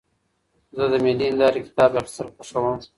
زه د ملي هندارې کتاب اخیستل خوښوم.